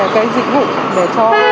cái dịch vụ để cho